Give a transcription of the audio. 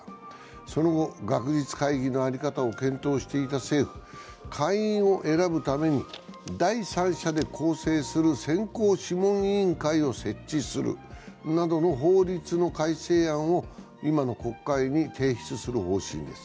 その後、学術会議の在り方を検討していた政府、会員を選ぶために、第三者で構成する選考諮問委員会を設置するなどの法律の改正案を今の国会に提出する方針です。